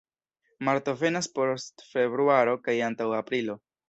Marto venas post februaro kaj antaŭ aprilo.